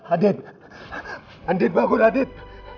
adip adip bangun adip